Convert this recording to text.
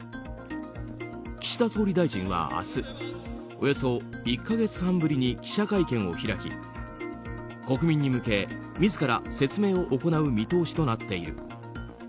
岸田総理大臣は明日、およそ１か月半ぶりに記者会見を開き、国民に向け自ら説明を行う見通しとなっている。